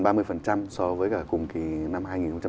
gần ba mươi so với cùng kỳ năm hai nghìn một mươi bảy